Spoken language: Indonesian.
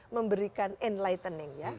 memberikan enlightening ya